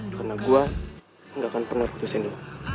karena gue gak akan pernah putusin lo